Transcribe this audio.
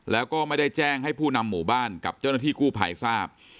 แล้วก็ไม่ได้แจ้งให้ผู้นำหมู่บ้านกับเจ้าหน้าที่กู้ภัยทราบ